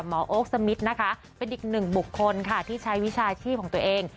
โอ๊คสมิทนะคะเป็นอีกหนึ่งบุคคลค่ะที่ใช้วิชาชีพของตัวเอง